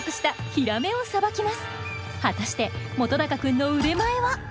果たして本君の腕前は？